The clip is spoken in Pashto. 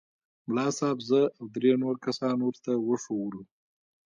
ملا صاحب زه او درې نور کسان ورته وښوولو.